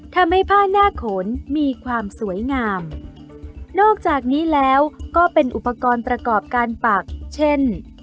ทำให้ผ้าหน้าโขนมีความสวยงามนอกจากนี้แล้วก็เป็นอุปกรณ์ประกอบการปักเช่น